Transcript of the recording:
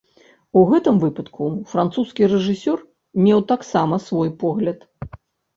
У гэтым выпадку французскі рэжысёр меў таксама свой погляд.